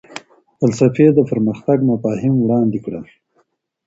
فلسفې د پرمختګ مفاهیم وړاندې کړل.